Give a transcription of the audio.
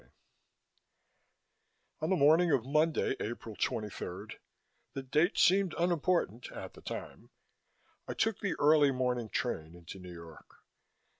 CHAPTER 26 On the morning of Monday, April 23rd (the date seemed unimportant at the time), I took the early morning train into New York.